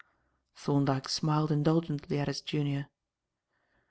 Thorndyke smiled indulgently at his junior.